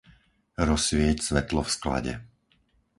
Rozsvieť svetlo v sklade.